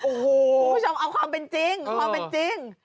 โอ้โหคุณผู้ชมเอาความเป็นจริงความเป็นจริง